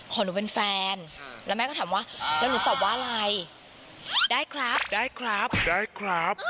ขอหนูเป็นแฟนแล้วแม่ก็ถามว่า